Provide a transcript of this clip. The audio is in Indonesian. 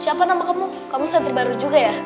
siapa nama kamu kamu sentri baru juga ya